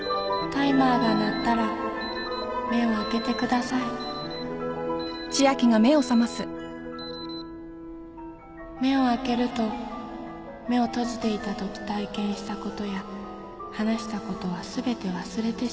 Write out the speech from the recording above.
タイマーが鳴ったら目を目を開けると目を閉じていたとき体験したことや話したことはすべて忘れてしまいます